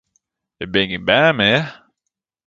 Ik bin gjin bern mear!